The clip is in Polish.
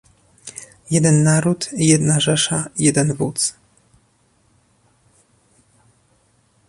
"jeden naród, jedna Rzesza, jeden wódz"